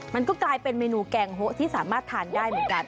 มันก็กลายเป็นเมนูแกงโฮะที่สามารถทานได้เหมือนกัน